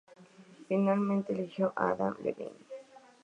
Finalmente, eligió a Adam Levine.